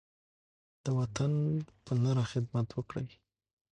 د وطن په نره خدمت وکړئ.